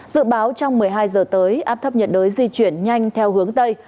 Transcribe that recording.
dự báo trong một mươi hai giờ tới áp thấp nhiệt đới di chuyển nhanh theo hướng tây